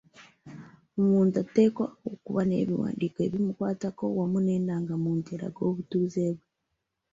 Omuntu ateekwa okuba n’ebiwandiiko ebimukwatako wamu n’endagamuntu eraga obutuuze bwe.